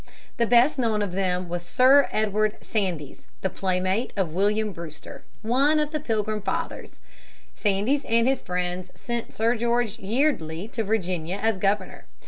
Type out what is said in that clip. The best known of them was Sir Edwin Sandys, the playmate of William Brewster one of the Pilgrim Fathers (p. 29). Sandys and his friends sent Sir George Yeardley to Virginia as governor.